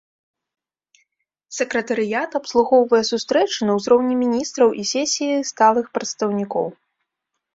Сакратарыят абслугоўвае сустрэчы на ўзроўні міністраў і сесіі сталых прадстаўнікоў.